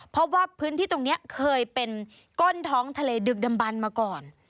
เพราะว่าพื้นที่ตรงนี้เคยเป็นก้นท้องทะเลดึกดำบันมาก่อน